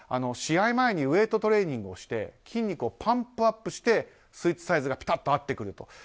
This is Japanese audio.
試合前にウェートトレーニングをして筋肉をパンプアップしてスーツサイズがピタッと合ってくると。